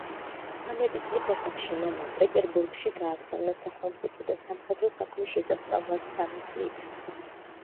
ცამეტი წლის ასაკში მამამ პეტერბურგში გააგზავნა სახელმწიფო და სამხედრო საქმის შესასწავლად სამი წლით.